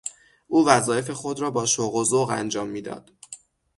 او وظایف خود را با شوق و ذوق انجام میداد.